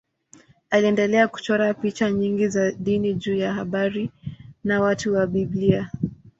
Aliendelea kuchora picha nyingi za dini juu ya habari na watu wa Biblia.